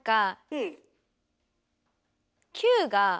うん。